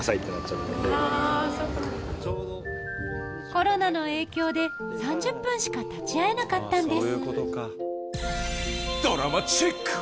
・コロナの影響で３０分しか立ち会えなかったんです